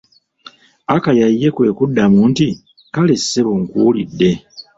Akaya ye kwe kuddamu nti:"kaale ssebo nkuwulidde"